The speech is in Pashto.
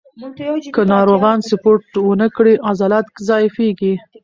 که ناروغان سپورت ونه کړي، عضلات ضعیفېږي.